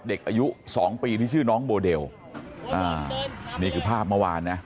เด็กอายุสองปีที่ชื่อน้องโมเดลอ่านี่คือภาพเมื่อวานนะ